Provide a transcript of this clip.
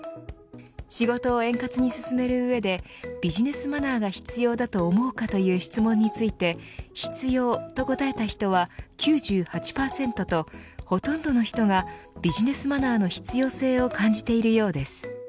仕事を円滑に進める上でビジネスマナーが必要だと思うかという質問について必要と答えた人は９８％とほとんどの人がビジネスマナーの必要性を感じているようです。